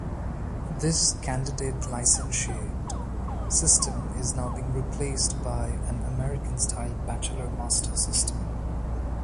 This "candidate-licentiate" system is now being replaced by an American-style "bachelor-master" system.